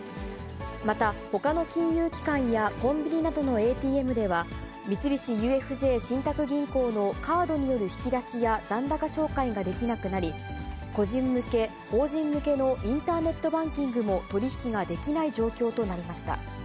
また、ほかの金融機関やコンビニなどのＡＴＭでは、三菱ＵＦＪ信託銀行のカードによる引き出しや残高照会ができなくなり、個人向け、法人向けのインターネットバンキングも取り引きができない状況となりました。